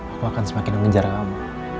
aku akan semakin mengejar kamu